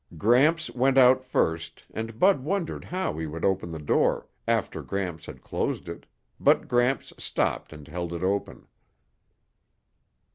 Gramps went out first and Bud wondered how he would open the door after Gramps had closed it but Gramps stopped and held it open.